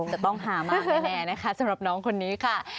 จะต้องหามากแน่นะคะสำหรับน้องคนนี้ค่ะ